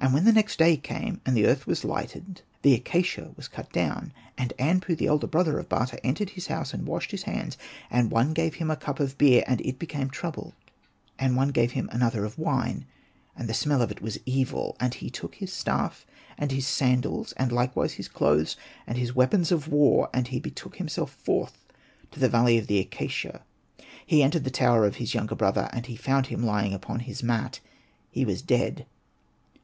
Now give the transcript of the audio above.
And when the next day came, and the earth was lightened, the acacia was cut down. And Anpu, the elder brother of Bata, entered his house, and washed his hands ; and one gave him a cup of beer, and it became troubled ; and one gave him another of wine, and the smell of it was evil. Then he took his staff, and his sandals, and likewise his clothes, with his weapons of war; and he betook himself forth to the valley of the acacia. He entered the tower of his younger brother, and he found him lying upon his mat ; he was dead.